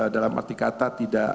dalam arti kata tidak